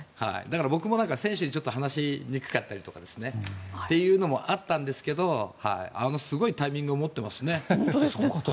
僕も選手にちょっと話しにくかったりというのもあったんですがすごいタイミングを持ってますね